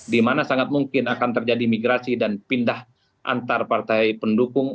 di mana sangat mungkin akan terjadi migrasi dan pindah antar partai pendukung